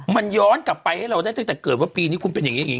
มันย้อนกลับไปให้เราได้ตั้งแต่เกิดว่าปีนี้คุณเป็นอย่างนี้อีก